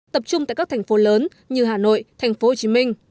tập trung tại các thành phố lớn như hà nội tp hcm